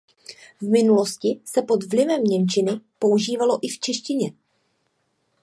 V minulosti se pod vlivem němčiny používalo i v češtině.